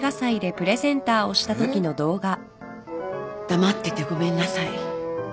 黙っててごめんなさい。